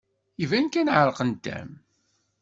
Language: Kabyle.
Iban kan ɛerqent-am.